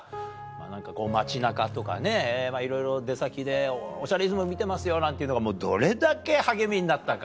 何か街中とかねいろいろ出先で「『おしゃれイズム』見てますよ」なんていうのがどれだけ励みになったか。